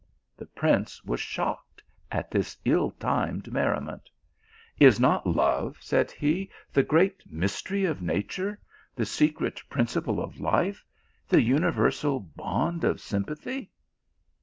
The prince was shocked at this ill timed merri ment "Is not love," said he, "the great mystery of nature, the secret principle of life, the universal bond of sympathy